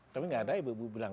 tapi nggak ada ibu ibu bilang